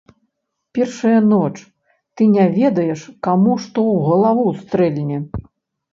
Першая ноч, ты не ведаеш, каму што ў галаву стрэльне.